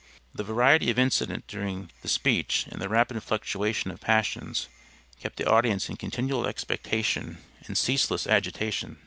The variety of incident during the speech, and the rapid fluctuation of passions, kept the audience in continual expectation and ceaseless agitation.